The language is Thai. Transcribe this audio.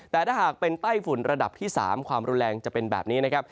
แต่ถ้าหากเป็นไต้ฝุ่นระดับที่๓ความรุนแรงจะเป็นแบบนี้นะครับ